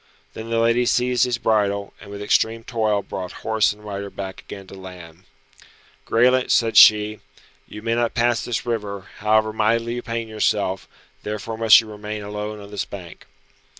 Then the lady seized his bridle, and with extreme toil brought horse and rider back again to land. "Graelent," said she, "you may not pass this river, however mightily you pain yourself, therefore must you remain alone on this bank."